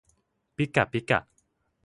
ปิกะปิกะ